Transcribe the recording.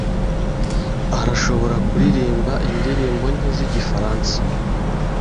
arashobora kuririmba indirimbo nke zigifaransa.